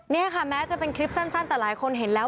นี่ค่ะแม้จะเป็นคลิปสั้นแต่หลายคนเห็นแล้ว